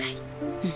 うん。